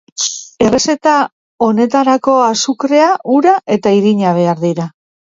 Errezeta honetarako azukrea, ura eta irina behar dira.